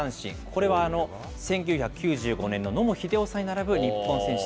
これは１９９５年の野茂英雄さんに並ぶ日本選手